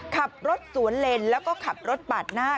ขับรถสวนเลนแล้วก็ขับรถปาดหน้า